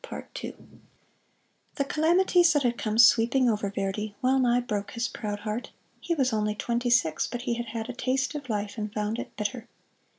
The calamities that had come sweeping over Verdi well nigh broke his proud heart. He was only twenty six, but he had had a taste of life and found it bitter.